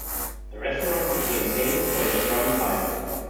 The restaurant became famed for its rum pie.